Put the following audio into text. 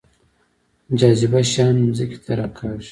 جاذبه شیان ځمکې ته راکاږي